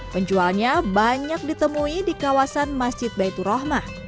penjualnya banyak ditemui di kawasan masjid baiturohma